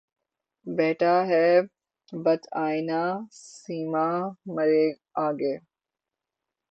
بیٹھا ہے بت آئنہ سیما مرے آگے